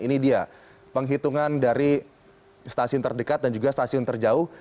ini dia penghitungan dari stasiun terdekat dan juga stasiun terjauh